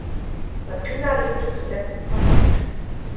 Sabrina lebte zuletzt in Hollywood.